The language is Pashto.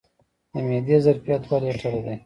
د معدې ظرفیت دوه لیټره دی.